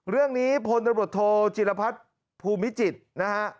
เรื่องนี้พลตบทจิลภัทธ์ภูมิจิตนะฮะ